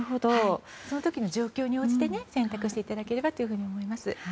その時の状況に応じて宣告していただければと思います。